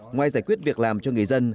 ngoài giải quyết việc làm cho người dân